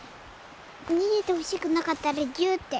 逃げてほしくなかったらギューッて。